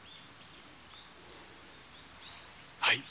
はい。